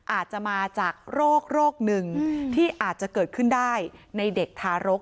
อาจจะมาจากโรคหนึ่งที่อาจจะเกิดขึ้นได้ในเด็กทารก